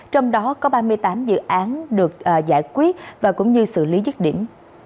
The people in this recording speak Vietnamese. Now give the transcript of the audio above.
trong đó có ba mươi tám dự án được giải quyết và cũng như xử lý dứt điểm